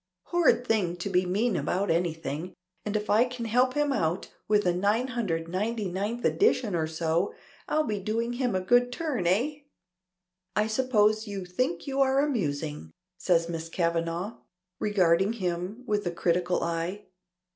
Horrid thing to be mean about anything, and if I can help him out with a 999th edition or so, I'll be doing him a good turn. Eh?" "I suppose you think you are amusing," says Miss Kavanagh, regarding him with a critical eye.